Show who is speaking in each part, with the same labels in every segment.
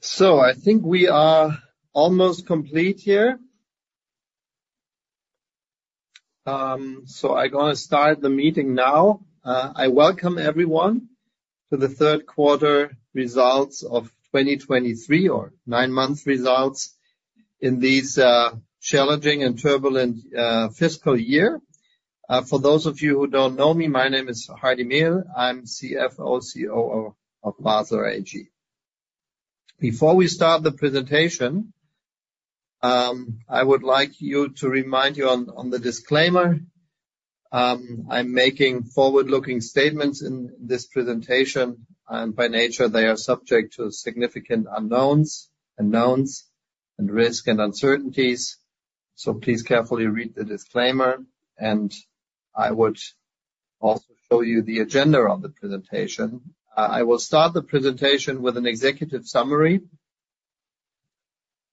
Speaker 1: So I think we are almost complete here. So I'm gonna start the meeting now. I welcome everyone to the third quarter results of 2023, or nine-month results in these challenging and turbulent fiscal year. For those of you who don't know me, my name is Hardy Mehl. I'm CFO, COO of Basler AG. Before we start the presentation, I would like you to remind you on, on the disclaimer. I'm making forward-looking statements in this presentation, and by nature, they are subject to significant unknowns, unknowns, and risk and uncertainties. So please carefully read the disclaimer, and I would also show you the agenda of the presentation. I will start the presentation with an executive summary.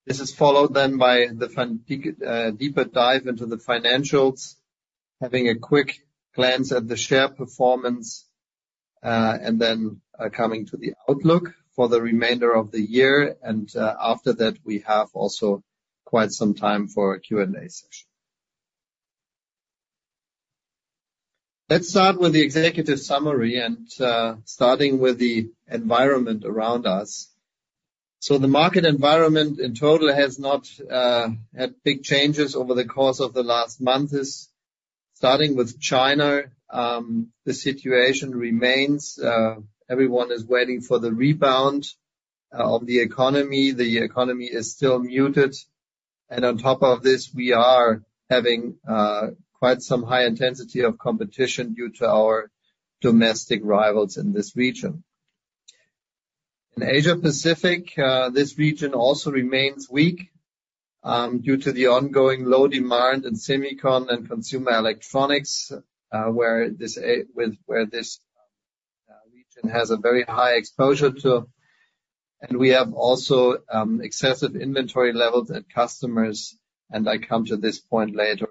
Speaker 1: This is followed then by a deeper dive into the financials, having a quick glance at the share performance, and then coming to the outlook for the remainder of the year. And after that, we have also quite some time for a Q&A session. Let's start with the executive summary and starting with the environment around us. So the market environment in total has not had big changes over the course of the last months. Starting with China, the situation remains. Everyone is waiting for the rebound of the economy. The economy is still muted, and on top of this, we are having quite some high intensity of competition due to our domestic rivals in this region. In Asia Pacific, this region also remains weak due to the ongoing low demand in semicon and consumer electronics, where this region has a very high exposure to. We have also excessive inventory levels at customers, and I come to this point later,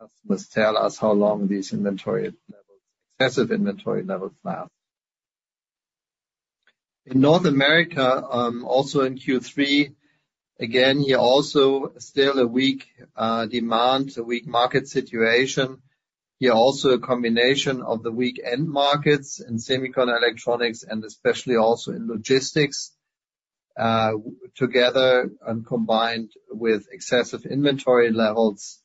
Speaker 1: what the customers tell us, how long these inventory levels, excessive inventory levels last. In North America, also in Q3, again, here also still a weak demand, a weak market situation. Here also a combination of the weak end markets in semicon electronics and especially also in logistics, together and combined with excessive inventory levels.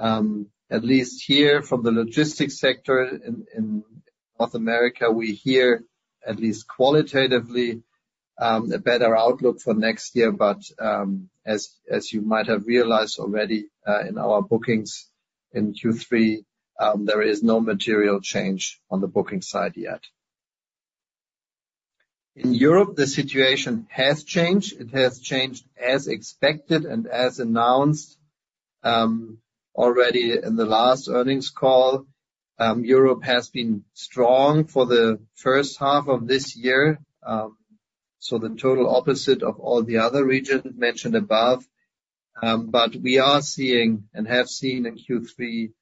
Speaker 1: At least here from the logistics sector in North America, we hear, at least qualitatively, a better outlook for next year. But, as you might have realized already, in our bookings in Q3, there is no material change on the booking side yet. In Europe, the situation has changed. It has changed as expected and as announced, already in the last earnings call. Europe has been strong for the first half of this year, so the total opposite of all the other regions mentioned above. But we are seeing and have seen in Q3,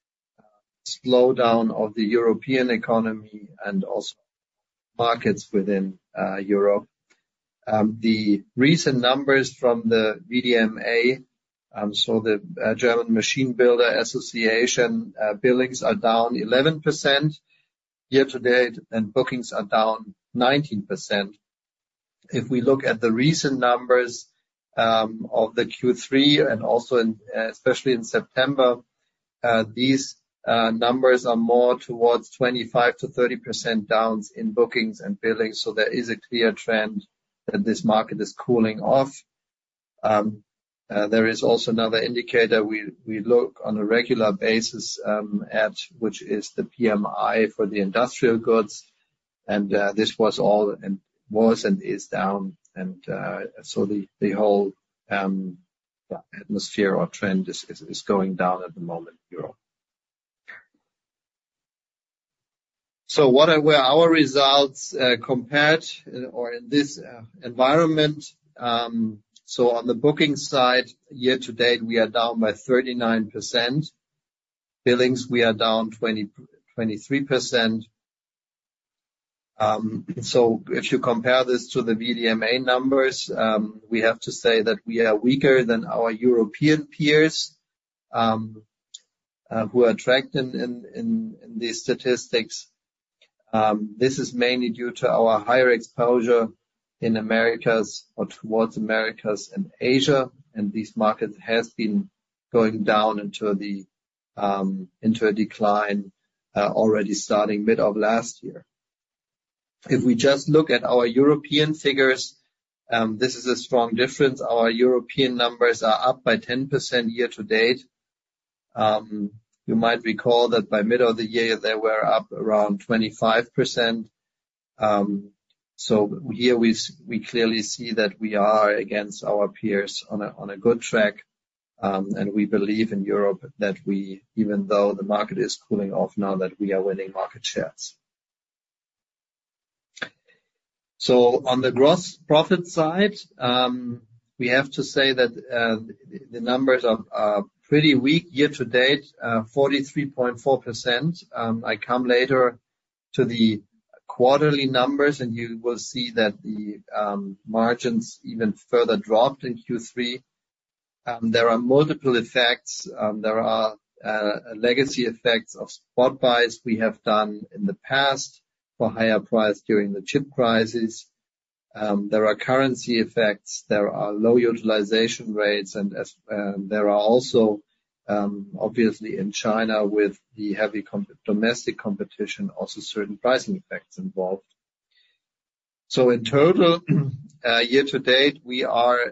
Speaker 1: a slowdown of the European economy and also markets within Europe. The recent numbers from the VDMA, so the German Machine Builder Association, billings are down 11% year to date, and bookings are down 19%. If we look at the recent numbers of the Q3 and also in, especially in September, these numbers are more towards 25%-30% downs in bookings and billings. So there is a clear trend that this market is cooling off. There is also another indicator we look on a regular basis at, which is the PMI for the industrial goods, and this was and is down. So the whole atmosphere or trend is going down at the moment in Europe. So what were our results compared or in this environment? So on the booking side, year to date, we are down by 39%. Billings, we are down 23%. So if you compare this to the VDMA numbers, we have to say that we are weaker than our European peers, who are tracked in these statistics. This is mainly due to our higher exposure in Americas or towards Americas and Asia, and these markets has been going down into a decline, already starting mid of last year. If we just look at our European figures, this is a strong difference. Our European numbers are up by 10% year to date. You might recall that by middle of the year, they were up around 25%. So here we clearly see that we are against our peers on a good track. We believe in Europe that we, even though the market is cooling off now, that we are winning market shares. On the gross profit side, we have to say that the numbers are pretty weak year to date, 43.4%. I come later to the quarterly numbers, and you will see that the margins even further dropped in Q3. There are multiple effects. There are legacy effects of spot buys we have done in the past for higher price during the chip crisis. There are currency effects, there are low utilization rates, and there are also obviously in China, with the heavy domestic competition, also certain pricing effects involved. In total, year to date, our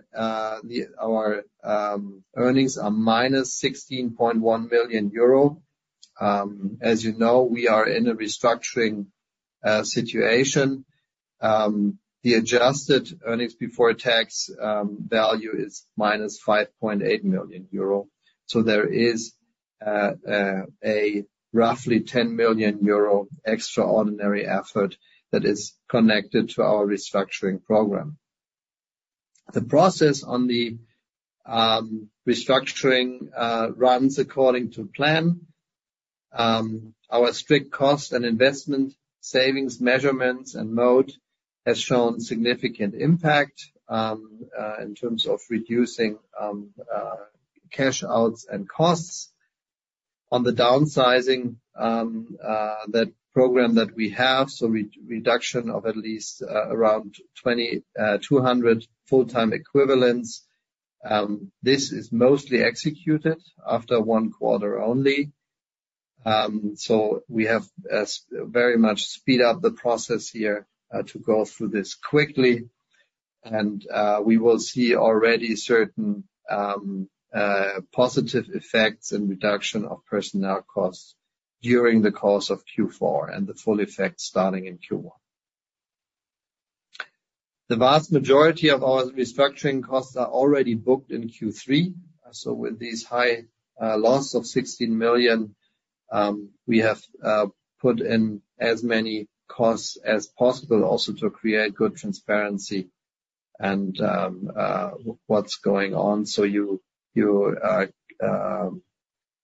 Speaker 1: earnings are -16.1 million euro. As you know, we are in a restructuring situation. The adjusted earnings before tax value is -5.8 million euro. So there is a roughly 10 million euro extraordinary effort that is connected to our restructuring program. The process on the restructuring runs according to plan. Our strict cost and investment savings measurements and mode has shown significant impact in terms of reducing cash outs and costs. On the downsizing that program that we have, so reduction of at least around 2,200 full-time equivalents. This is mostly executed after one quarter only. So we have very much speed up the process here to go through this quickly, and we will see already certain positive effects and reduction of personnel costs during the course of Q4 and the full effect starting in Q1. The vast majority of our restructuring costs are already booked in Q3, so with these high loss of 16 million, we have put in as many costs as possible, also to create good transparency and what's going on. So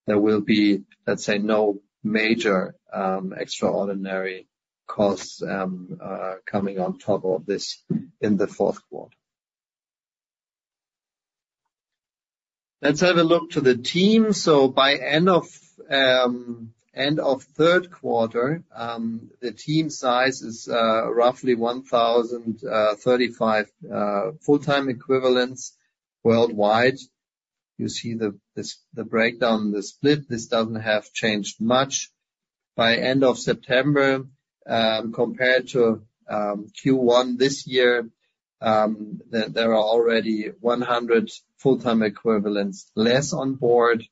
Speaker 1: there will be, let's say, no major extraordinary costs coming on top of this in the fourth quarter. Let's have a look to the team. So by end of third quarter, the team size is roughly 1,035 full-time equivalents worldwide. You see the breakdown, the split. This doesn't have changed much. By end of September, compared to Q1 this year, there are already 100 full-time equivalents less on board.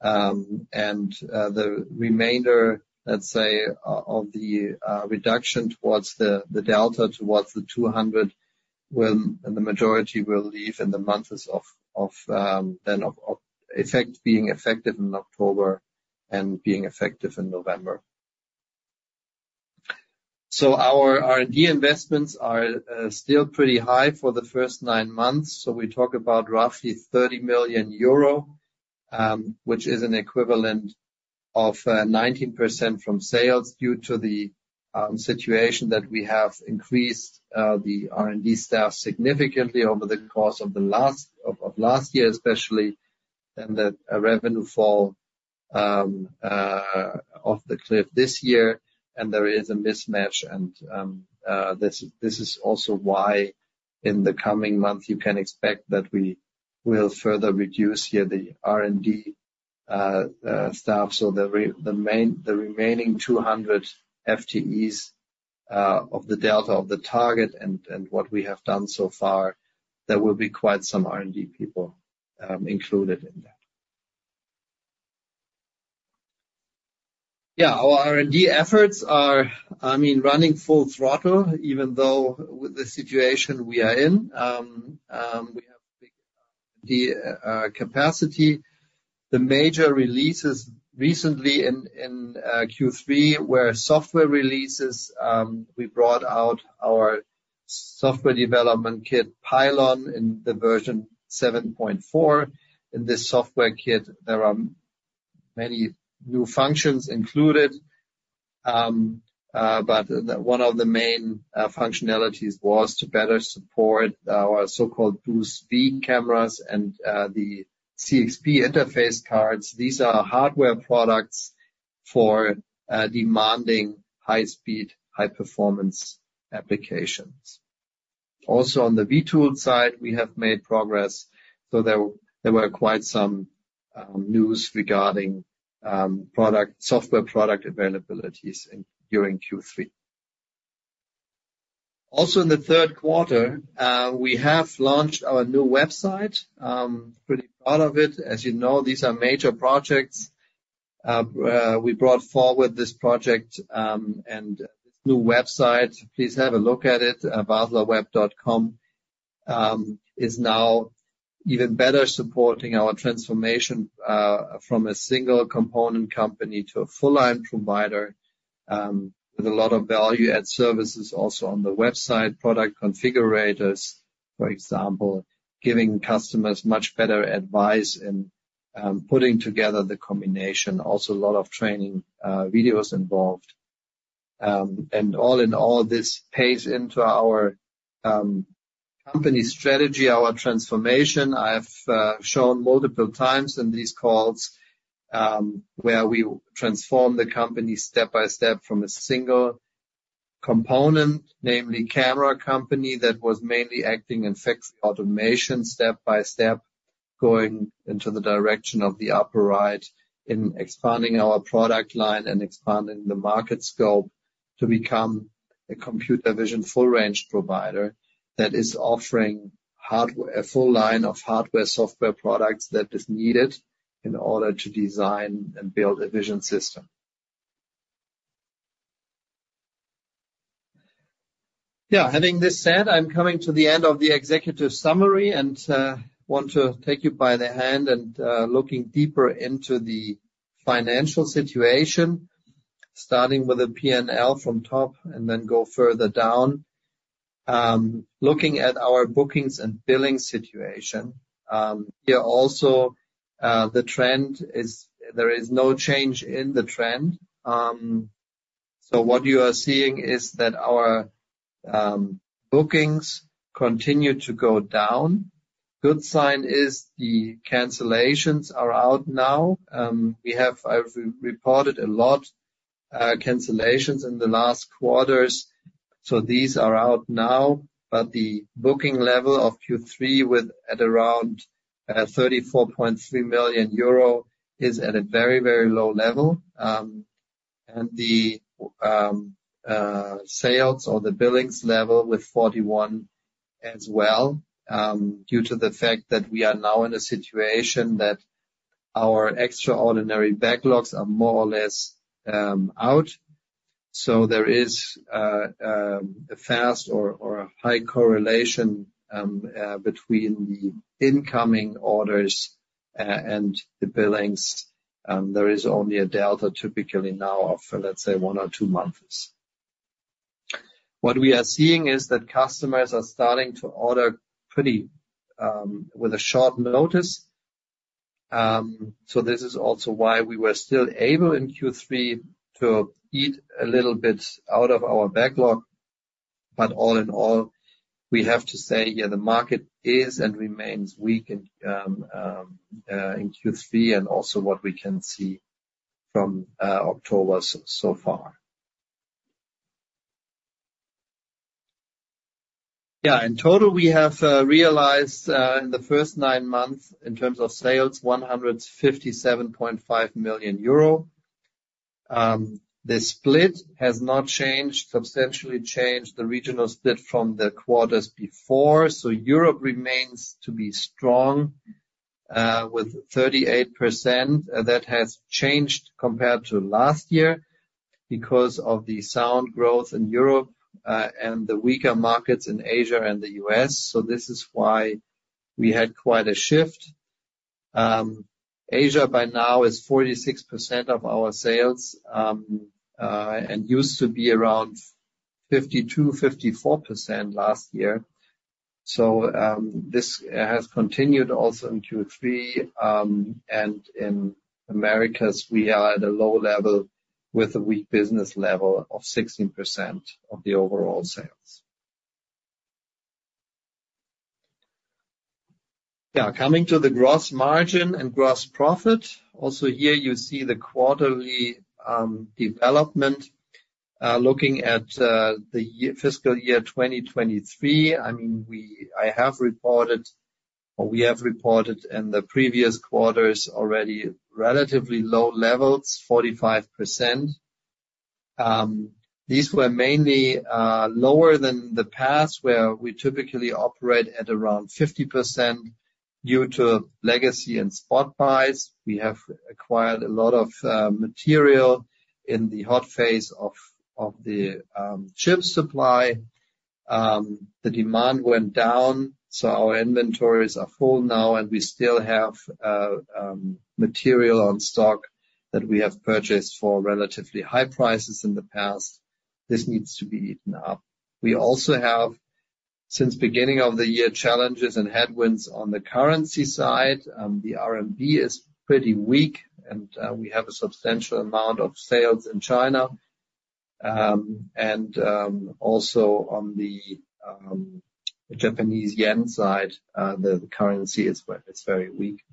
Speaker 1: And the remainder, let's say, of the reduction towards the delta, towards the 200, will, and the majority will leave in the months of October and November, being effective in October and being effective in November. So our R&D investments are still pretty high for the first nine months. So we talk about roughly 30 million euro, which is an equivalent of 19% from sales due to the situation that we have increased the R&D staff significantly over the course of the last year, especially, and the revenue fall off the cliff this year. There is a mismatch, and this is also why in the coming months, you can expect that we will further reduce yet the R&D staff. So the main, the remaining 200 FTEs of the delta of the target and what we have done so far, there will be quite some R&D people included in that. Yeah, our R&D efforts are, I mean, running full throttle, even though with the situation we are in. We have the capacity. The major releases recently in Q3 were software releases. We brought out our software development kit, Pylon, in the version 7.4. In this software kit, there are many new functions included. But one of the main functionalities was to better support our so-called boost cameras and the CXP interface cards. These are hardware products for demanding high speed, high performance applications. Also, on the vTools side, we have made progress, so there were quite some news regarding product software product availabilities during Q3. Also, in the third quarter, we have launched our new website. Pretty proud of it. As you know, these are major projects. We brought forward this project and this new website. Please have a look at it. baslerweb.com is now even better supporting our transformation from a single component company to a full-line provider. With a lot of value-add services also on the website, product configurators, for example, giving customers much better advice and putting together the combination. Also, a lot of training videos involved. And all in all, this pays into our company strategy, our transformation. I've shown multiple times in these calls, where we transform the company step by step from a single component, namely, camera company, that was mainly acting in factory automation, step by step, going into the direction of the upper right, in expanding our product line and expanding the market scope to become a computer vision full range provider, that is offering hardware, a full line of hardware, software products that is needed in order to design and build a vision system. Yeah, having this said, I'm coming to the end of the executive summary, and want to take you by the hand and looking deeper into the financial situation, starting with a P&L from top and then go further down. Looking at our bookings and billing situation, here also, the trend is. There is no change in the trend. So what you are seeing is that our bookings continue to go down. Good sign is the cancellations are out now. We have reported a lot cancellations in the last quarters, so these are out now. But the booking level of Q3, with around 34.3 million euro, is at a very, very low level. And the sales or the billings level with 41 million as well, due to the fact that we are now in a situation that our extraordinary backlogs are more or less out. So there is a fast or a high correlation between the incoming orders and the billings. There is only a delta, typically now of, let's say, 1 or 2 months. What we are seeing is that customers are starting to order pretty with a short notice. So this is also why we were still able, in Q3, to eat a little bit out of our backlog. But all in all, we have to say, yeah, the market is and remains weak in Q3, and also what we can see from October so far. Yeah, in total, we have realized in the first nine months, in terms of sales, 157.5 million euro. The split has not changed, substantially changed the regional split from the quarters before, so Europe remains to be strong with 38%. That has changed compared to last year, because of the strong growth in Europe, and the weaker markets in Asia and the U.S. So this is why we had quite a shift. Asia, by now, is 46% of our sales, and used to be around 52%-54% last year. So, this has continued also in Q3. And in Americas, we are at a low level, with a weak business level of 16% of the overall sales. Now, coming to the gross margin and gross profit. Also, here you see the quarterly development, looking at the fiscal year 2023. I mean, we have reported in the previous quarters, already relatively low levels, 45%. These were mainly lower than the past, where we typically operate at around 50% due to legacy and spot buys. We have acquired a lot of material in the hot phase of the chip supply. The demand went down, so our inventories are full now, and we still have material on stock that we have purchased for relatively high prices in the past. This needs to be eaten up. We also have, since beginning of the year, challenges and headwinds on the currency side. The RMB is pretty weak, and we have a substantial amount of sales in China. And also on the Japanese yen side, the currency is weak, it's very weak.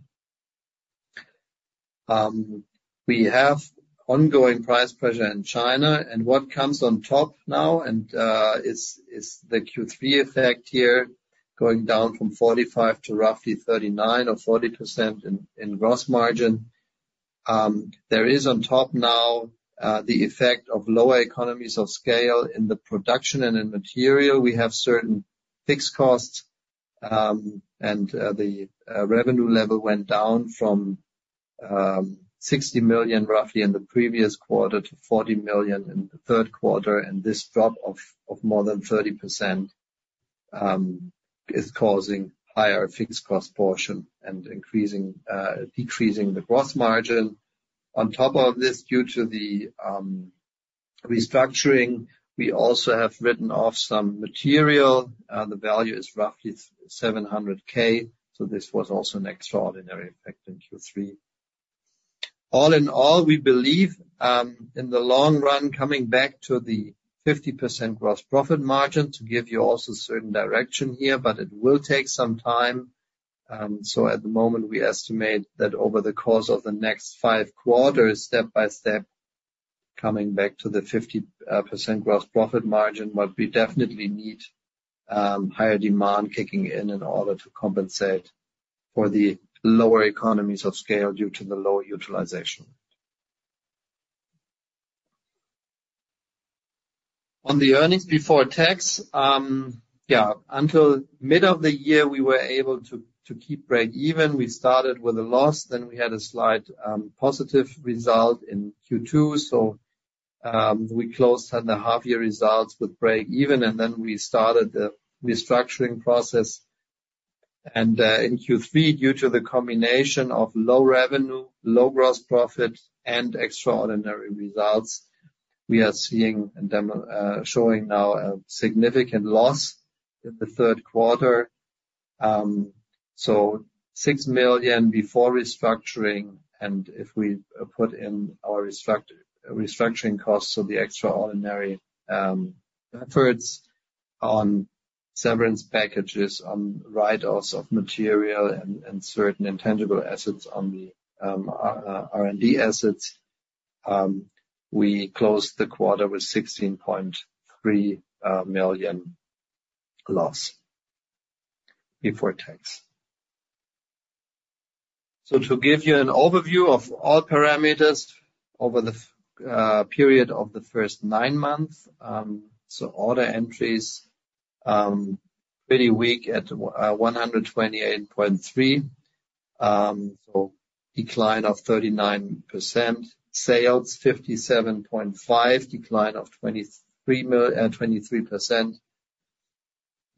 Speaker 1: We have ongoing price pressure in China, and what comes on top now, and is the Q3 effect here, going down from 45% to roughly 39% or 40% in gross margin. There is on top now the effect of lower economies of scale in the production and in material. We have certain fixed costs, and the revenue level went down from, roughly 60 million in the previous quarter, to 40 million in the third quarter, and this drop of more than 30% is causing higher fixed cost portion and decreasing the gross margin. On top of this, due to the restructuring, we also have written off some material. The value is roughly 700,000, so this was also an extraordinary effect in Q3. All in all, we believe in the long run, coming back to the 50% gross profit margin, to give you also certain direction here, but it will take some time. So at the moment, we estimate that over the course of the next 5 quarters, step by step, coming back to the 50% gross profit margin, but we definitely need higher demand kicking in in order to compensate for the lower economies of scale due to the lower utilization. On the earnings before tax, yeah, until mid of the year, we were able to keep breakeven. We started with a loss, then we had a slight positive result in Q2, so we closed the half-year results with breakeven, and then we started the restructuring process. In Q3, due to the combination of low revenue, low gross profit, and extraordinary results, we are seeing and showing now a significant loss in the third quarter. So 6 million before restructuring, and if we put in our restructuring costs, so the extraordinary efforts on severance packages, on write-offs of material and, and certain intangible assets on the R&D assets, we closed the quarter with 16.3 million loss before tax. So to give you an overview of all parameters over the period of the first nine months, so order entries pretty weak at 128.3 million. So decline of 39%. Sales, 57.5 million, decline of 23%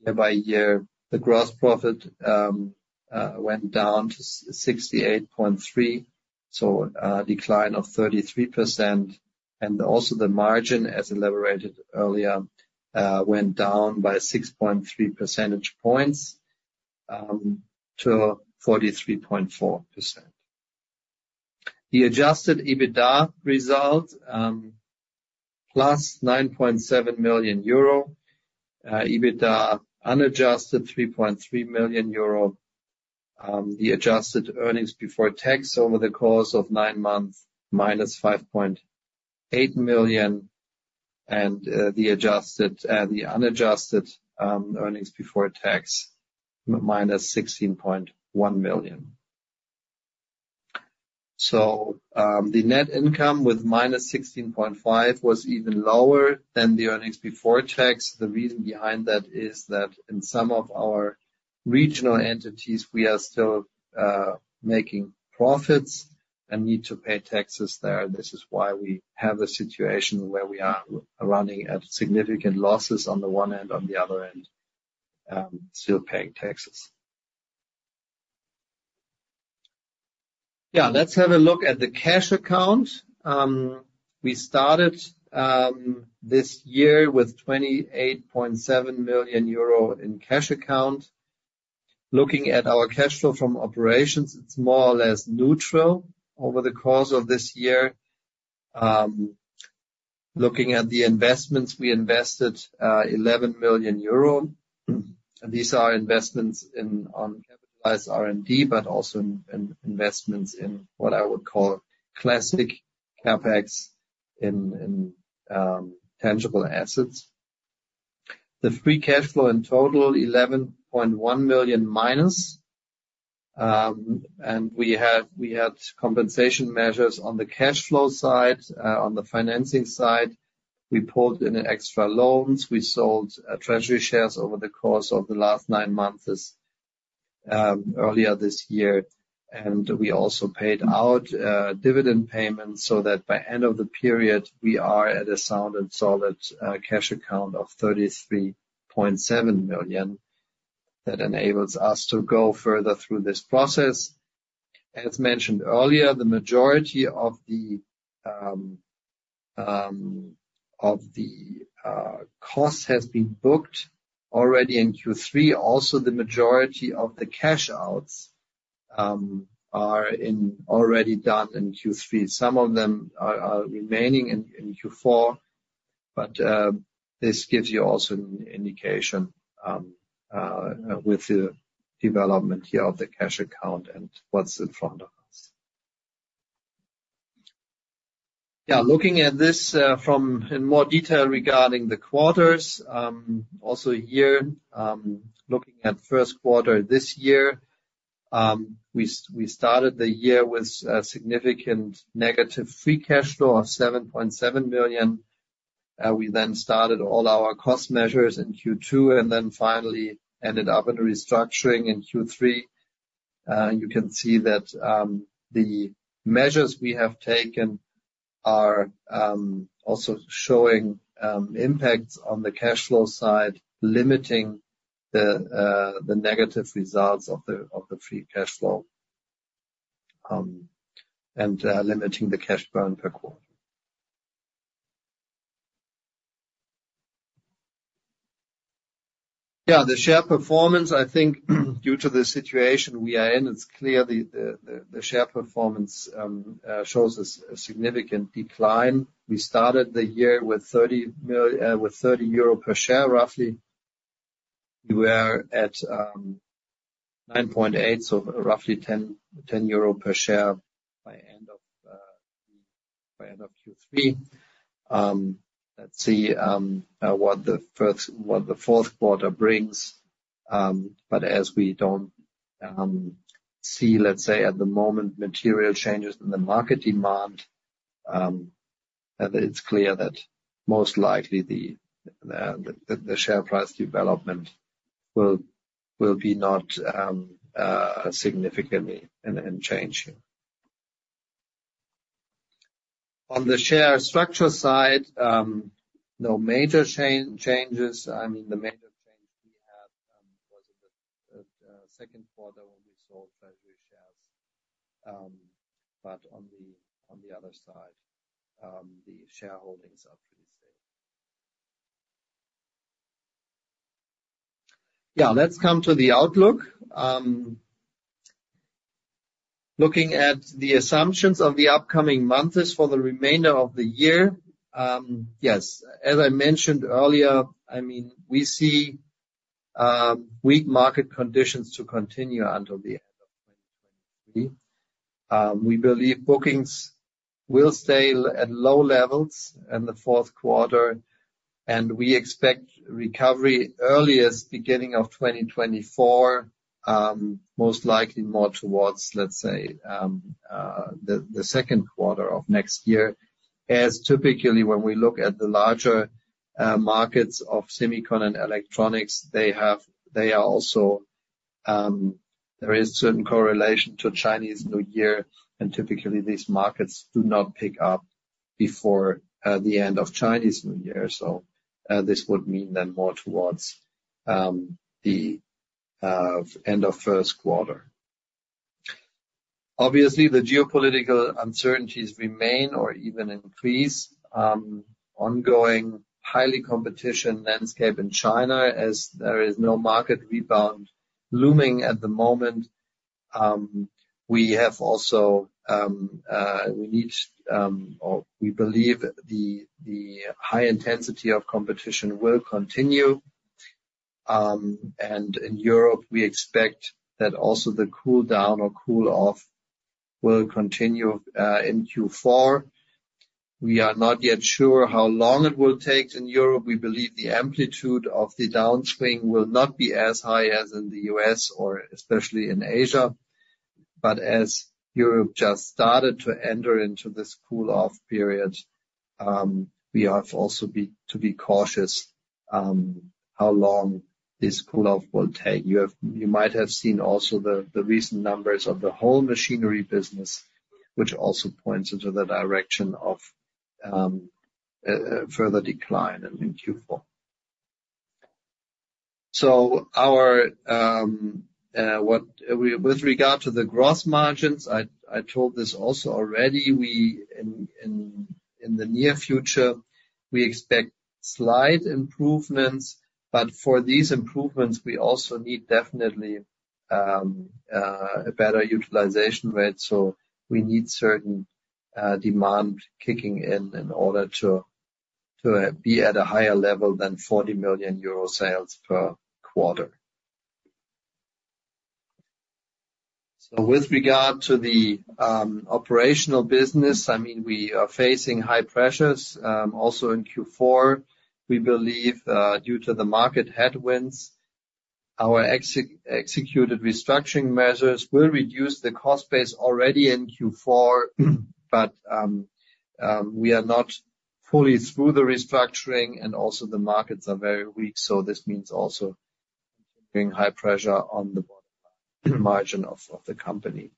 Speaker 1: year-over-year. The gross profit went down to 68.3 million, so decline of 33%. Also the margin, as elaborated earlier, went down by 6.3 percentage points to 43.4%. The adjusted EBITDA result +9.7 million euro. EBITDA, unadjusted, 3.3 million euro. The adjusted earnings before tax over the course of 9 months -5.8 million, and the unadjusted earnings before tax -16.1 million. So, the net income with -16.5 million was even lower than the earnings before tax. The reason behind that is that in some of our regional entities, we are still making profits and need to pay taxes there. This is why we have a situation where we are running at significant losses on the one hand, on the other hand, still paying taxes. Yeah, let's have a look at the cash account. We started this year with 28.7 million euro in cash account. Looking at our cash flow from operations, it's more or less neutral over the course of this year. Looking at the investments, we invested 11 million euro. And these are investments in capitalized R&D, but also in investments in what I would call classic CapEx in tangible assets. The free cash flow in total, minus 11.1 million. And we had compensation measures on the cash flow side. On the financing side, we pulled in extra loans. We sold treasury shares over the course of the last nine months, earlier this year, and we also paid out dividend payments so that by end of the period, we are at a sound and solid cash account of 33.7 million. That enables us to go further through this process. As mentioned earlier, the majority of the cost has been booked already in Q3. Also, the majority of the cash outs are in already done in Q3. Some of them are remaining in Q4, but this gives you also an indication with the development here of the cash account and what's in front of us. Yeah, looking at this from in more detail regarding the quarters, also a year, looking at first quarter this year, we started the year with a significant negative free cash flow of 7.7 million. We then started all our cost measures in Q2, and then finally ended up in restructuring in Q3. You can see that the measures we have taken are also showing impacts on the cash flow side, limiting the negative results of the free cash flow. And limiting the cash burn per quarter. Yeah, the share performance, I think, due to the situation we are in, it's clear the share performance shows us a significant decline. We started the year with 30 million, with 30 euro per share, roughly. We were at 9.8, so roughly 10 euro per share by end of Q3. Let's see what the fourth quarter brings. But as we don't see, let's say, at the moment, material changes in the market demand, then it's clear that most likely the share price development will be not significantly changing. On the share structure side, no major changes. I mean, the major change we had was in the second quarter when we sold treasury shares. But on the other side, the shareholdings are pretty safe. Yeah, let's come to the outlook. Looking at the assumptions of the upcoming months for the remainder of the year, yes, as I mentioned earlier, I mean, we see weak market conditions to continue until the end of 2023. We believe bookings will stay at low levels in the fourth quarter, and we expect recovery earliest beginning of 2024, most likely more towards, let's say, the second quarter of next year. As typically when we look at the larger markets of Semicon and electronics, they are also, there is certain correlation to Chinese New Year, and typically these markets do not pick up before the end of Chinese New Year. So, this would mean then more towards the end of first quarter. Obviously, the geopolitical uncertainties remain or even increase. Ongoing highly competition landscape in China as there is no market rebound looming at the moment. We have also or we believe the high intensity of competition will continue. And in Europe, we expect that also the cool down or cool off will continue in Q4. We are not yet sure how long it will take in Europe. We believe the amplitude of the downswing will not be as high as in the U.S. or especially in Asia. But as Europe just started to enter into this cool off period, we have also to be cautious how long this cool off will take. You might have seen also the recent numbers of the whole machinery business, which also points into the direction of a further decline in Q4. With regard to the gross margins, I told this also already. We, in the near future, expect slight improvements, but for these improvements, we also need definitely a better utilization rate. So we need certain demand kicking in in order to be at a higher level than 40 million euro sales per quarter. So with regard to the operational business, I mean, we are facing high pressures also in Q4. We believe, due to the market headwinds, our executed restructuring measures will reduce the cost base already in Q4, but we are not fully through the restructuring and also the markets are very weak, so this means also being high pressure on the bottom margin of the company.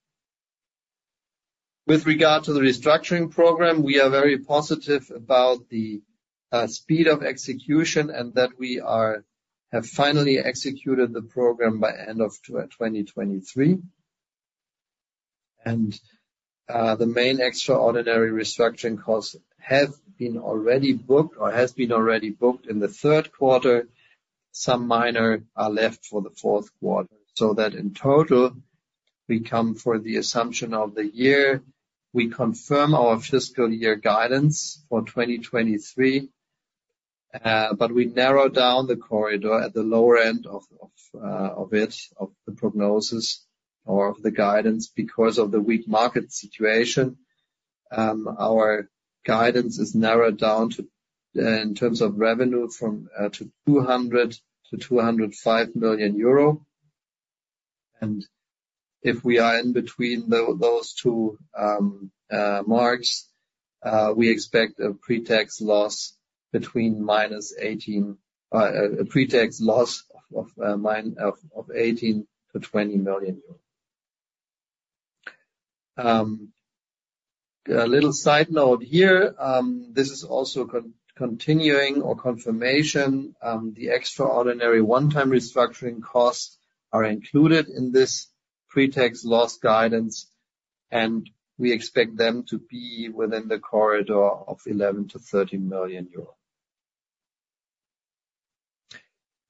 Speaker 1: With regard to the restructuring program, we are very positive about the speed of execution and that we have finally executed the program by end of 2023. The main extraordinary restructuring costs have been already booked, or has been already booked in the third quarter. Some minor are left for the fourth quarter, so that in total, we come for the assumption of the year. We confirm our fiscal year guidance for 2023, but we narrow down the corridor at the lower end of it, of the prognosis or of the guidance because of the weak market situation. Our guidance is narrowed down to, in terms of revenue, 200 million-205 million euro. If we are in between those two marks. We expect a pre-tax loss between minus 18, a pre-tax loss of 18 to 20 million EUR. A little side note here, this is also confirmation. The extraordinary one-time restructuring costs are included in this pre-tax loss guidance, and we expect them to be within the corridor of 11 million-13 million euros.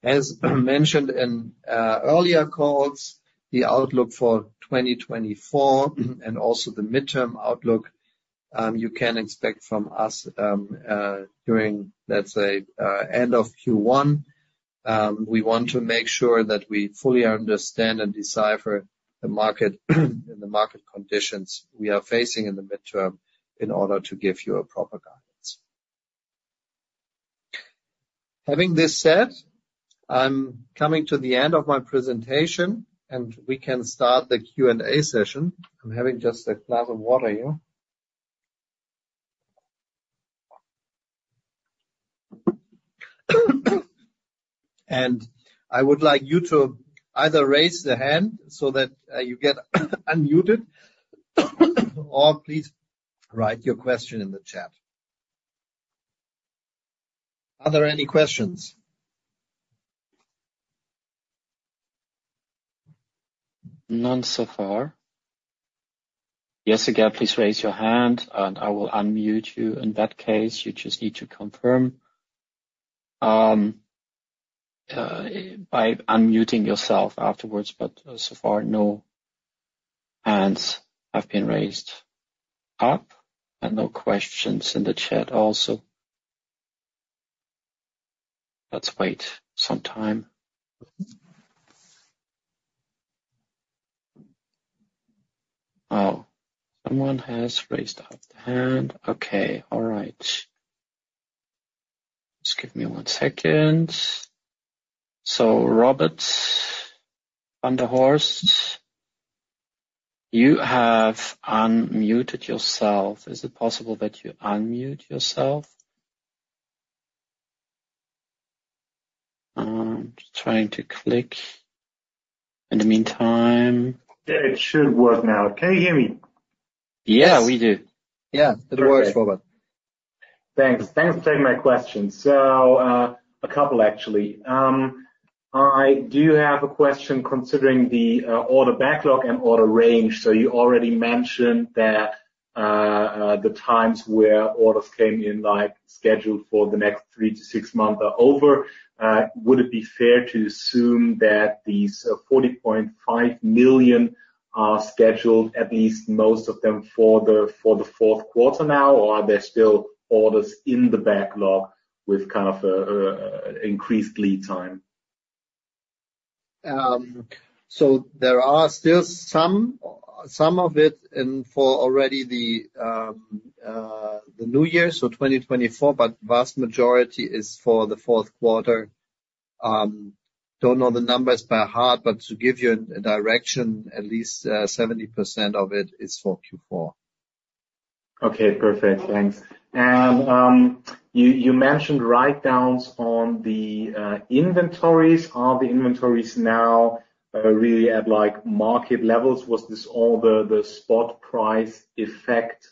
Speaker 1: As mentioned in earlier calls, the outlook for 2024, and also the midterm outlook, you can expect from us during, let's say, end of Q1. We want to make sure that we fully understand and decipher the market, and the market conditions we are facing in the midterm in order to give you a proper guidance. Having this said, I'm coming to the end of my presentation, and we can start the Q&A session. I'm having just a glass of water here. I would like you to either raise the hand so that you get unmuted, or please write your question in the chat. Are there any questions?
Speaker 2: None so far. Yes, again, please raise your hand and I will unmute you. In that case, you just need to confirm by unmuting yourself afterwards, but so far, no hands have been raised up and no questions in the chat also. Let's wait some time. Oh, someone has raised a hand. Okay. All right. Just give me one second. So Robert van der Horst, you have unmuted yourself. Is it possible that you unmute yourself? Just trying to click. In the meantime-
Speaker 3: It should work now. Can you hear me?
Speaker 2: Yeah, we do.
Speaker 1: Yeah, it works, Robert.
Speaker 3: Thanks. Thanks for taking my question. So, a couple, actually. I do have a question, considering the order backlog and order range. So you already mentioned that the times where orders came in, like, scheduled for the next 3-6 months are over. Would it be fair to assume that these 40.5 million are scheduled, at least most of them, for the fourth quarter now, or are there still orders in the backlog with kind of a increased lead time?
Speaker 1: So there are still some of it in for already the new year, so 2024, but vast majority is for the fourth quarter. Don't know the numbers by heart, but to give you a direction, at least, 70% of it is for Q4.
Speaker 3: Okay, perfect. Thanks. And you mentioned write-downs on the inventories. Are the inventories now really at, like, market levels? Was this all the spot price effect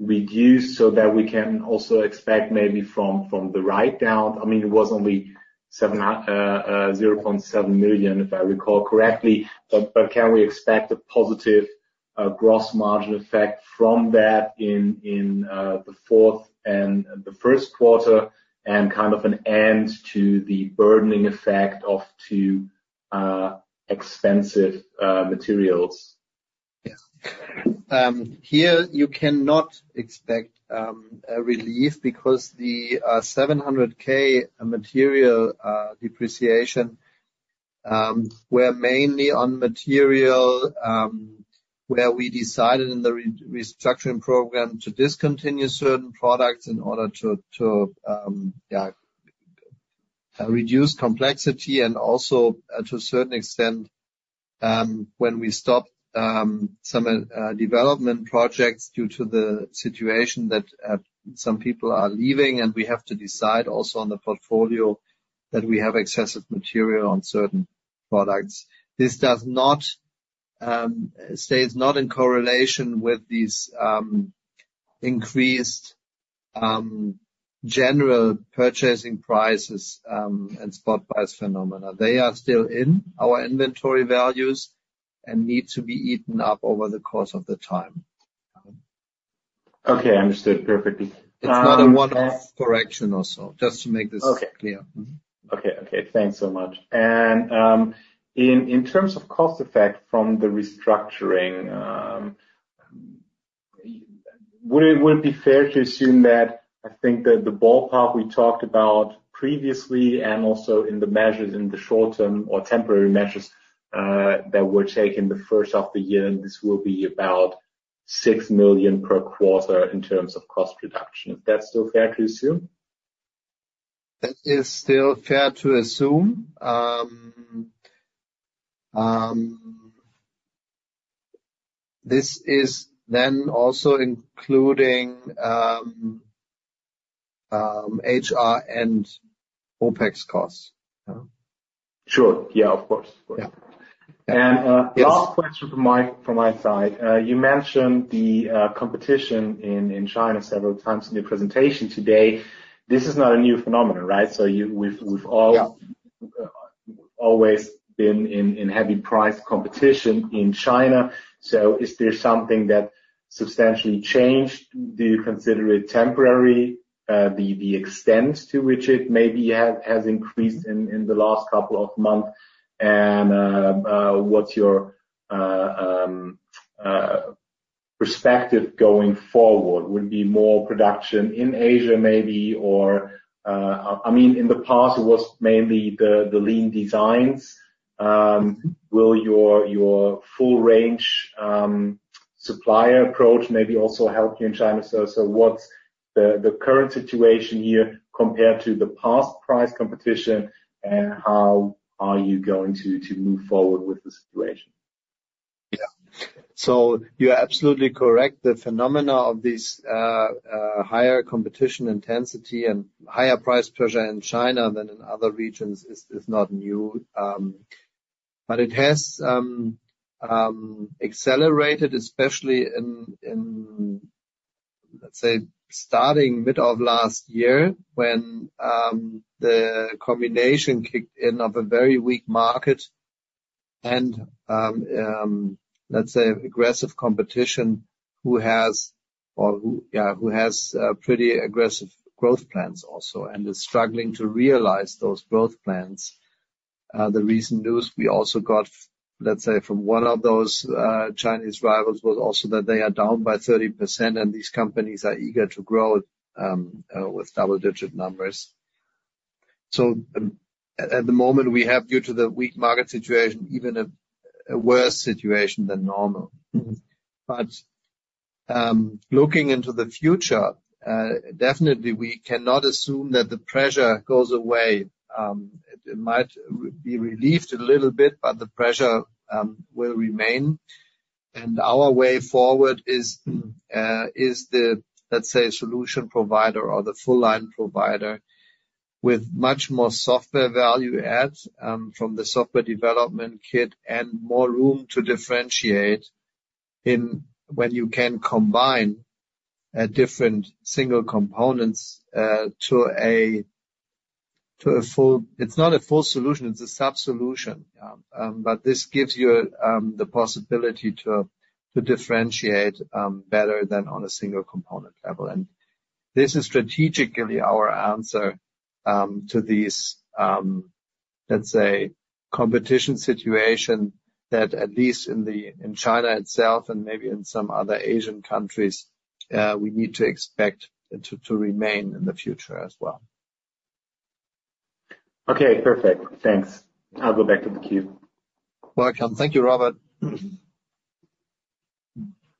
Speaker 3: reduced so that we can also expect maybe from the write down? I mean, it was only 0.7 million, if I recall correctly. But can we expect a positive gross margin effect from that in the fourth and the first quarter, and kind of an end to the burdening effect of too expensive materials?
Speaker 1: Yeah. Here, you cannot expect a relief because the 700,000 material depreciation were mainly on material where we decided in the restructuring program to discontinue certain products in order to, to, yeah, reduce complexity and also, to a certain extent, when we stopped some development projects due to the situation that some people are leaving and we have to decide also on the portfolio that we have excessive material on certain products. This does not stays not in correlation with these increased general purchasing prices and spot price phenomena. They are still in our inventory values and need to be eaten up over the course of the time.
Speaker 3: Okay, understood perfectly.
Speaker 1: It's not a one-off correction also, just to make this clear.
Speaker 3: Okay. Okay, okay. Thanks so much. And in terms of cost effect from the restructuring, would it be fair to assume that I think that the ballpark we talked about previously, and also in the measures, in the short term or temporary measures, that were taken the first of the year, and this will be about 6 million per quarter in terms of cost reduction. Is that still fair to assume?
Speaker 1: That is still fair to assume. This is then also including HR and OPEX costs. Yeah.
Speaker 3: Sure. Yeah, of course.
Speaker 1: Yeah.
Speaker 3: And, uh-
Speaker 1: Yes.
Speaker 3: Last question from my side. You mentioned the competition in China several times in your presentation today. This is not a new phenomenon, right? So we've all-
Speaker 1: Yeah
Speaker 3: Always been in heavy price competition in China. So is there something that substantially changed? Do you consider it temporary, the extent to which it maybe has increased in the last couple of months? And, what's your perspective going forward? Would it be more production in Asia maybe, or, I mean, in the past, it was mainly the lean designs. Will your full range supplier approach maybe also help you in China? So, what's the current situation here compared to the past price competition, and how are you going to move forward with the situation?
Speaker 1: Yeah. So you're absolutely correct. The phenomena of this higher competition intensity and higher price pressure in China than in other regions is not new. But it has accelerated, especially in, let's say, starting middle of last year, when the combination kicked in of a very weak market and, let's say, aggressive competition who has pretty aggressive growth plans also and is struggling to realize those growth plans. The recent news we also got, let's say, from one of those Chinese rivals, was also that they are down by 30%, and these companies are eager to grow with double-digit numbers. So at the moment, we have, due to the weak market situation, even a worse situation than normal. But, looking into the future, definitely we cannot assume that the pressure goes away. It might be relieved a little bit, but the pressure will remain. And our way forward is the, let's say, solution provider or the full line provider, with much more software value add, from the software development kit, and more room to differentiate in when you can combine different single components to a full... It's not a full solution, it's a sub-solution. But this gives you the possibility to differentiate better than on a single component level. This is strategically our answer to these, let's say, competition situation that at least in China itself and maybe in some other Asian countries we need to expect it to remain in the future as well.
Speaker 3: Okay, perfect. Thanks. I'll go back to the queue.
Speaker 1: Welcome. Thank you, Robert.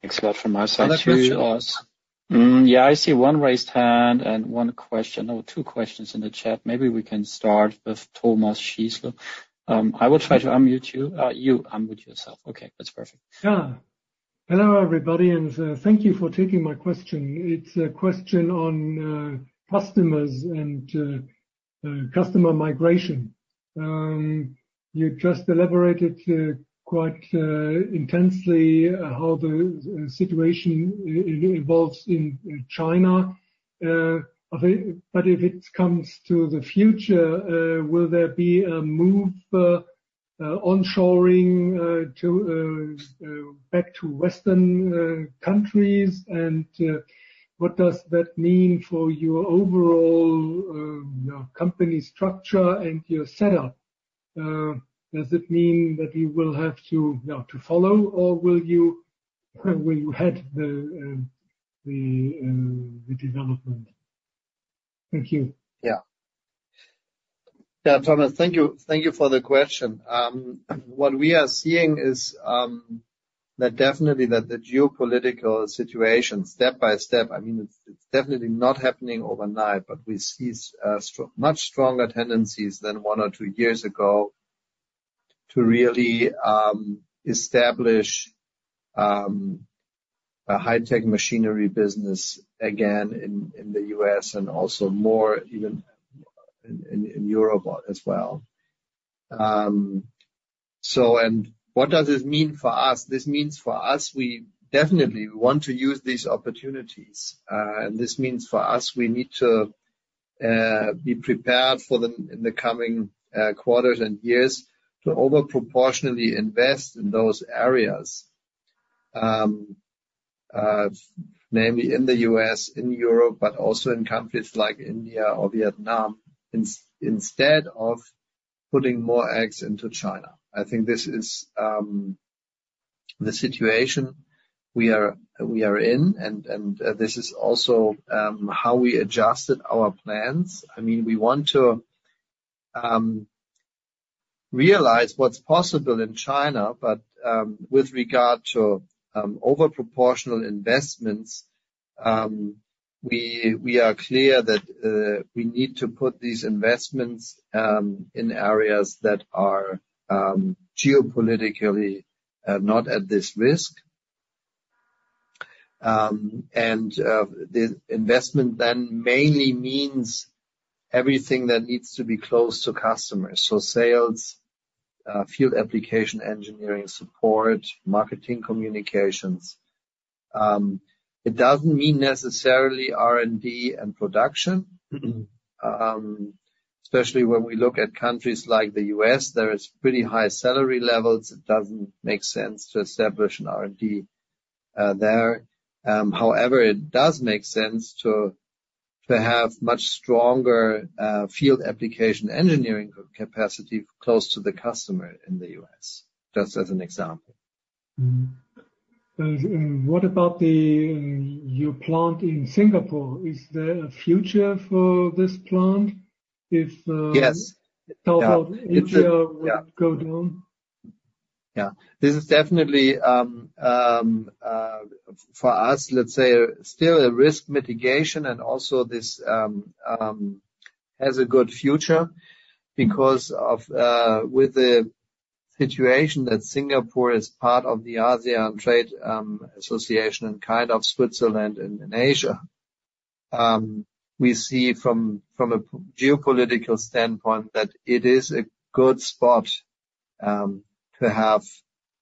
Speaker 4: Thanks a lot from my side, too.
Speaker 5: Another question to ask.
Speaker 4: Yeah, I see one raised hand and one question or two questions in the chat. Maybe we can start with Thomas Schießler. I will try to unmute you. You unmute yourself. Okay, that's perfect.
Speaker 6: Yeah. Hello, everybody, and thank you for taking my question. It's a question on customers and customer migration. You just elaborated quite intensely how the situation evolves in China. But if it comes to the future, will there be a move onshoring to back to Western countries? And what does that mean for your overall your company structure and your setup? Does it mean that you will have to, you know, to follow, or will you head the development? Thank you.
Speaker 1: Yeah. Yeah, Thomas, thank you. Thank you for the question. What we are seeing is that definitely the geopolitical situation, step by step, I mean, it's definitely not happening overnight, but we see much stronger tendencies than one or two years ago, to really establish a high-tech machinery business again in the US and also more even in Europe as well. So and what does this mean for us? This means for us, we definitely want to use these opportunities. And this means for us, we need to be prepared for them in the coming quarters and years to over proportionally invest in those areas, mainly in the US, in Europe, but also in countries like India or Vietnam, instead of putting more eggs into China. I think this is the situation we are in, and this is also how we adjusted our plans. I mean, we want to realize what's possible in China, but with regard to over proportional investments, we are clear that we need to put these investments in areas that are geopolitically not at this risk. And the investment then mainly means everything that needs to be close to customers. So sales, field application, engineering support, marketing communications. It doesn't mean necessarily R&D and production. Especially when we look at countries like the U.S., there is pretty high salary levels. It doesn't make sense to establish an R&D there. However, it does make sense to have much stronger field application engineering capacity close to the customer in the U.S. Just as an example.
Speaker 6: Mm-hmm. And what about the, your plant in Singapore? Is there a future for this plant? If,
Speaker 1: Yes.
Speaker 6: Total future would go down.
Speaker 1: Yeah. This is definitely, for us, let's say, still a risk mitigation, and also this has a good future. Because of, with the situation that Singapore is part of the ASEAN Trade Association and kind of Switzerland in Asia. We see from a geopolitical standpoint, that it is a good spot, to have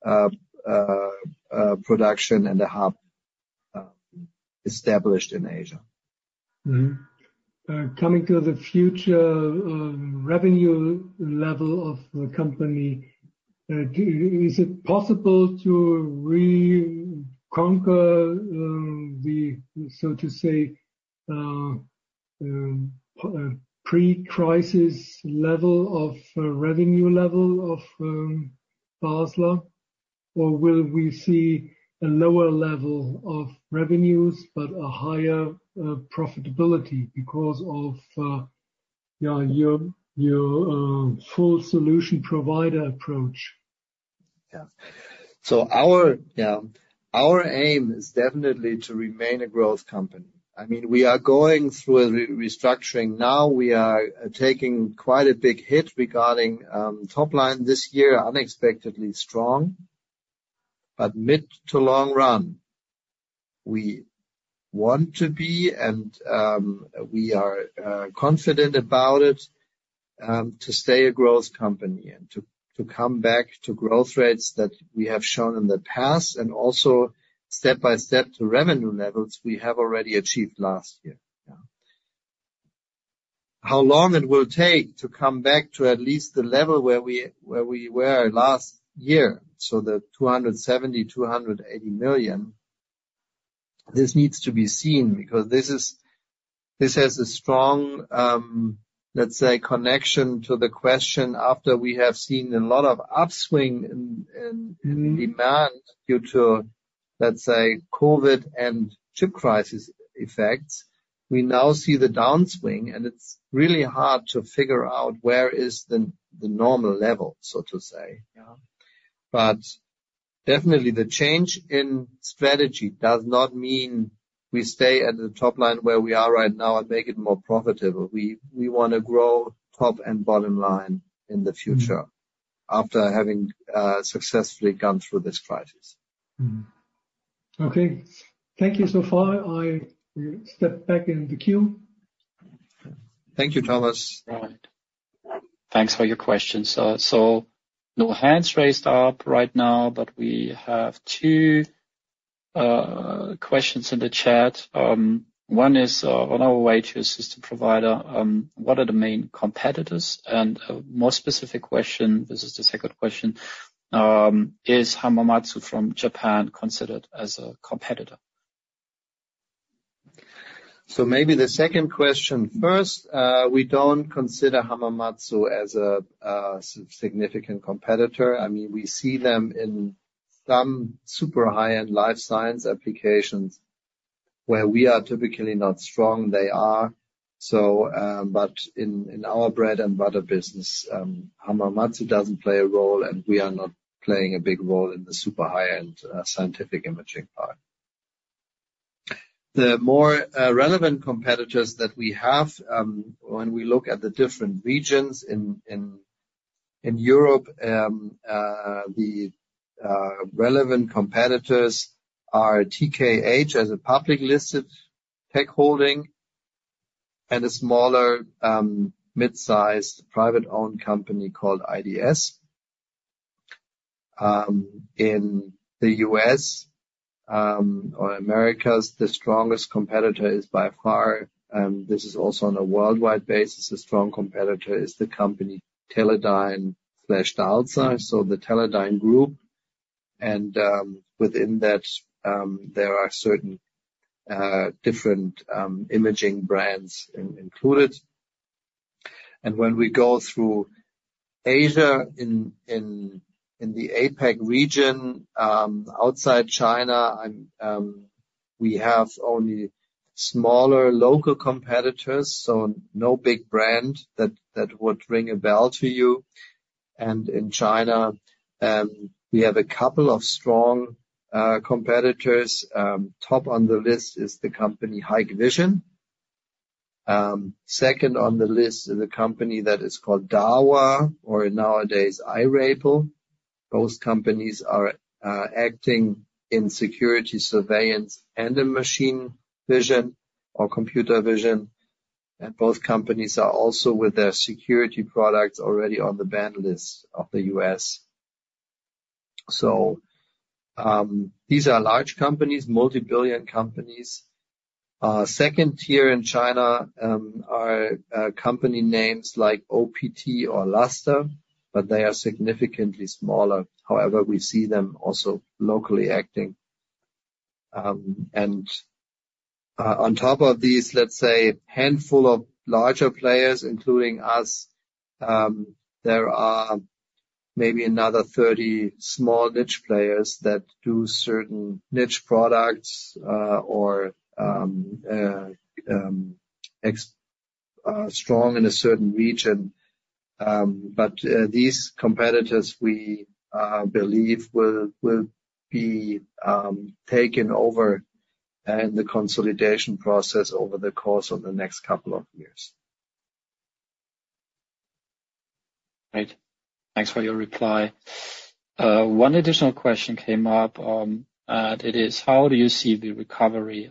Speaker 1: a production and a hub established in Asia.
Speaker 6: Mm-hmm. Coming to the future, revenue level of the company, is it possible to reconquer the, so to say, pre-crisis level of revenue level of Basler? Or will we see a lower level of revenues, but a higher profitability because of yeah, your, your full solution provider approach?
Speaker 1: Yeah. Our aim is definitely to remain a growth company. I mean, we are going through a restructuring now. We are taking quite a big hit regarding top line this year, unexpectedly strong. But mid to long run, we want to be, and we are confident about it to stay a growth company and to come back to growth rates that we have shown in the past, and also step by step to revenue levels we have already achieved last year. Yeah. How long it will take to come back to at least the level where we were last year, so the 270 million-280 million, this needs to be seen, because this has a strong, let's say, connection to the question after we have seen a lot of upswing in demand due to, let's say, COVID and chip crisis effects. We now see the downswing, and it's really hard to figure out where is the normal level, so to say, yeah. But definitely the change in strategy does not mean we stay at the top line where we are right now and make it more profitable. We want to grow top and bottom line in the future after having successfully gone through this crisis.
Speaker 6: Mm. Okay. Thank you so far. I will step back in the queue.
Speaker 1: Thank you, Thomas.
Speaker 4: Thanks for your question. So no hands raised up right now, but we have two questions in the chat. One is on our way to a system provider, what are the main competitors? And a more specific question, this is the second question, is Hamamatsu from Japan considered as a competitor?
Speaker 1: So maybe the second question first. We don't consider Hamamatsu as a significant competitor. I mean, we see them in some super high-end life science applications where we are typically not strong, they are. So, but in our bread and butter business, Hamamatsu doesn't play a role, and we are not playing a big role in the super high-end scientific imaging part. The more relevant competitors that we have, when we look at the different regions in Europe, the relevant competitors are TKH, as a public listed tech holding, and a smaller mid-sized, private-owned company called IDS. In the US, or Americas, the strongest competitor is by far, this is also on a worldwide basis. A strong competitor is the company, Teledyne DALSA, so the Teledyne group. Within that, there are certain different imaging brands included. When we go through Asia, in the APAC region, outside China, we have only smaller local competitors, so no big brand that would ring a bell to you. In China, we have a couple of strong competitors. Top on the list is the company Hikvision. Second on the list is a company that is called Dahua, or nowadays iRAYPLE. Both companies are acting in security, surveillance, and in machine vision or computer vision. Both companies are also with their security products already on the ban list of the U.S. These are large companies, multibillion companies. Second tier in China are company names like OPT or Luster, but they are significantly smaller. However, we see them also locally acting. On top of these, let's say, handful of larger players, including us, there are maybe another 30 small niche players that do certain niche products, or strong in a certain region. But these competitors, we believe will be taken over in the consolidation process over the course of the next couple of years.
Speaker 2: Right. Thanks for your reply. One additional question came up, and it is: How do you see the recovery?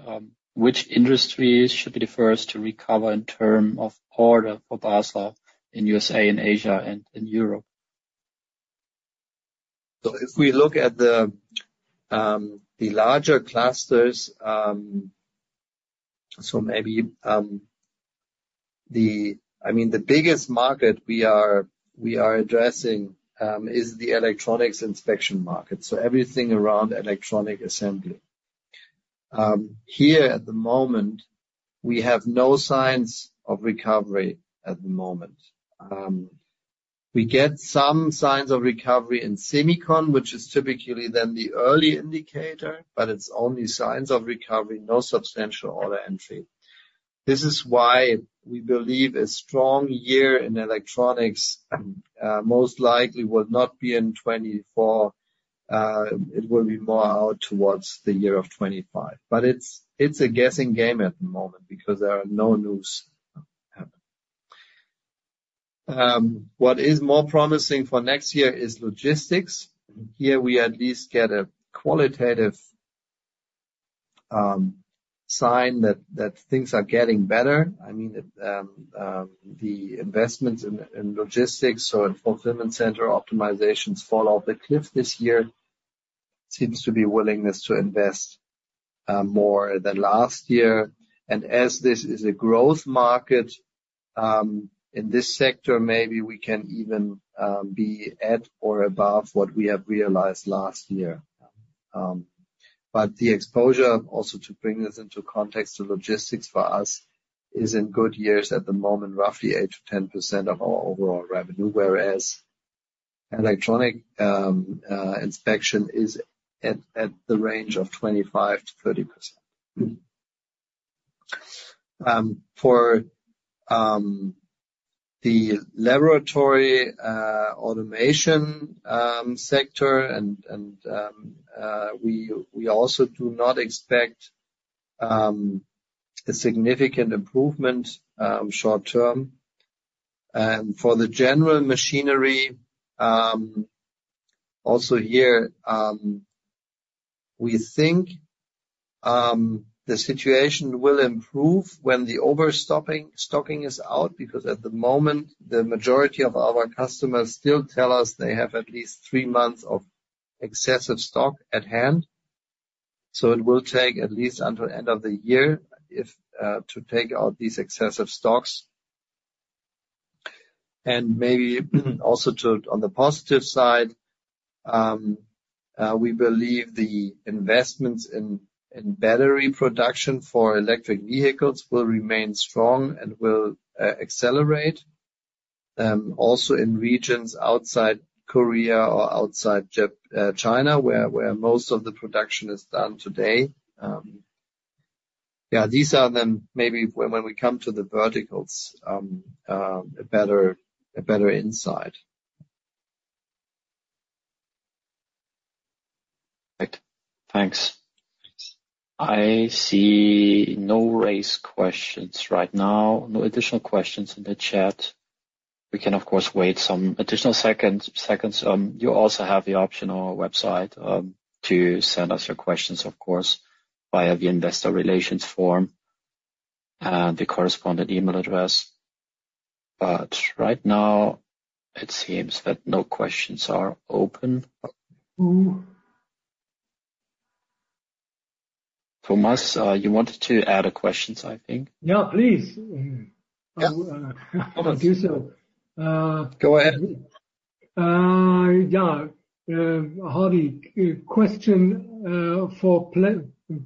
Speaker 2: Which industries should be the first to recover in terms of order for Basler in USA, and Asia, and in Europe?
Speaker 1: So if we look at the, the larger clusters, so maybe, the, I mean, the biggest market we are, we are addressing, is the electronics inspection market, so everything around electronic assembly. Here, at the moment, we have no signs of recovery at the moment. We get some signs of recovery in Semicon, which is typically then the early indicator, but it's only signs of recovery, no substantial order entry. This is why we believe a strong year in electronics, most likely will not be in 2024. It will be more out towards the year of 2025. But it's, it's a guessing game at the moment because there are no news happen. What is more promising for next year is logistics. Here, we at least get a qualitative, sign that, that things are getting better. I mean, the investments in logistics, so in fulfillment center optimizations fall off the cliff this year. Seems to be willingness to invest more than last year. And as this is a growth market in this sector, maybe we can even be at or above what we have realized last year. But the exposure, also to bring this into context of logistics for us, is in good years at the moment, roughly 8%-10% of our overall revenue, whereas electronic inspection is at the range of 25%-30%. For the laboratory automation sector, we also do not expect a significant improvement short term. For the general machinery, also here, we think the situation will improve when the overstocking is out, because at the moment, the majority of our customers still tell us they have at least three months of excessive stock at hand. So it will take at least until end of the year to take out these excessive stocks. And maybe also, on the positive side, we believe the investments in battery production for electric vehicles will remain strong and will accelerate also in regions outside Korea or outside Japan, China, where most of the production is done today. Yeah, these are then maybe when we come to the verticals, a better insight.
Speaker 2: Great. Thanks. I see no raised questions right now, no additional questions in the chat. We can, of course, wait some additional seconds. You also have the option on our website to send us your questions, of course, via the investor relations form and the corresponding email address. But right now, it seems that no questions are open. Thomas, you wanted to add a questions, I think?
Speaker 6: Yeah, please.
Speaker 2: Yeah.
Speaker 6: I'll do so.
Speaker 2: Go ahead.
Speaker 6: Yeah. Hardy, question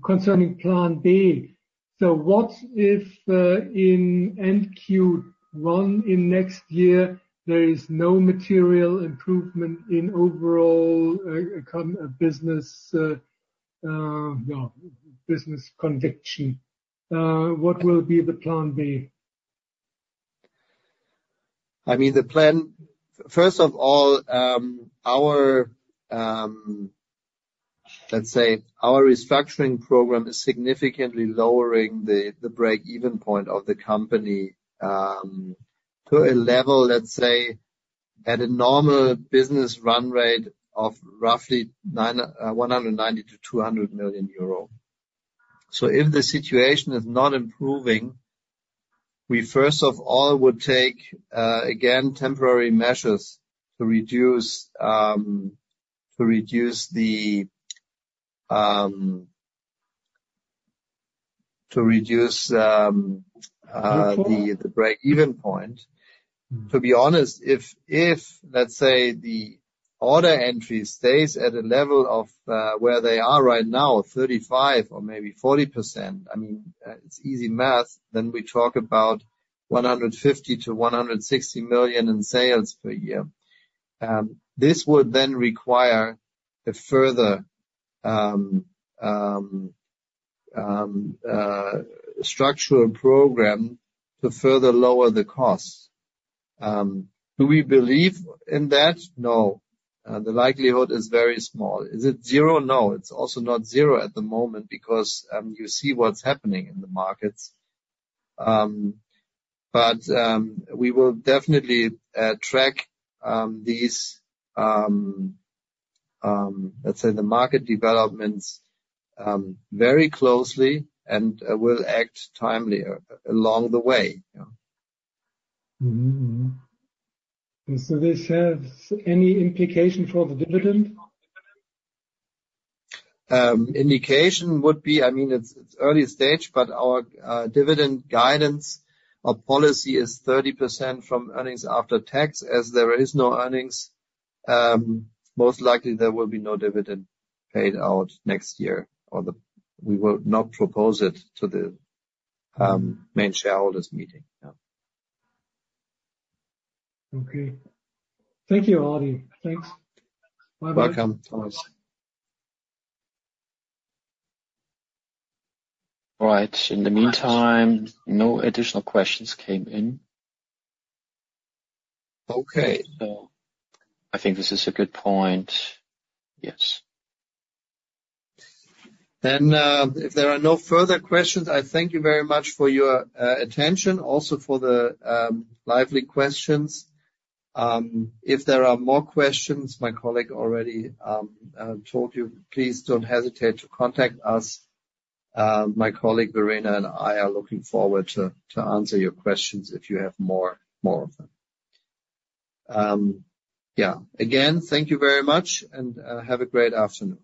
Speaker 6: concerning plan B. So what if in Q1 next year there is no material improvement in overall business conviction? What will be the plan B?
Speaker 1: I mean, the plan, first of all, our, let's say, our restructuring program is significantly lowering the break-even point of the company, to a level, let's say, at a normal business run rate of roughly 190 million-200 million euro. So if the situation is not improving, we, first of all, would take again temporary measures to reduce the break-even point. To be honest, if, let's say, the order entry stays at a level of where they are right now, 35% or maybe 40%, I mean, it's easy math, then we talk about 150 million-160 million in sales per year. This would then require a further structural program to further lower the costs. Do we believe in that? No. The likelihood is very small. Is it zero? No, it's also not zero at the moment, because you see what's happening in the markets. But we will definitely track these, let's say, the market developments very closely, and we'll act timely along the way, yeah.
Speaker 6: Mm-hmm. And so this has any implication for the dividend?
Speaker 1: Indication would be, I mean, it's early stage, but our dividend guidance or policy is 30% from earnings after tax. As there is no earnings, most likely there will be no dividend paid out next year, or we will not propose it to the main shareholders meeting. Yeah.
Speaker 6: Okay. Thank you, Audi. Thanks. Bye-bye.
Speaker 1: Welcome, Thomas.
Speaker 5: All right, in the meantime, no additional questions came in.
Speaker 1: Okay.
Speaker 5: So I think this is a good point. Yes.
Speaker 1: Then, if there are no further questions, I thank you very much for your attention, also for the lively questions. If there are more questions, my colleague already told you, please don't hesitate to contact us. My colleague, Verena, and I are looking forward to answer your questions if you have more of them. Yeah. Again, thank you very much, and have a great afternoon.